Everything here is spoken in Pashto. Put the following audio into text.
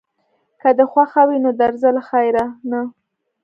که دې خوښه وي نو درځه له خیره، نه.